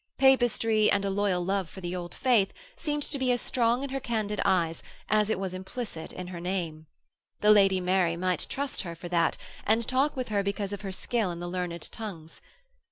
Papistry and a loyal love for the Old Faith seemed to be as strong in her candid eyes as it was implicit in her name. The Lady Mary might trust her for that and talk with her because of her skill in the learned tongues.